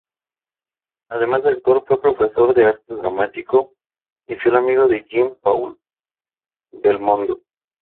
Además de actor, fue profesor de arte dramático y fiel amigo de Jean-Paul Belmondo.